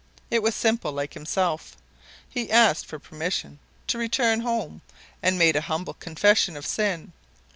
It was simple, like himself. He asked for permission to return home, and made a humble confession of sin.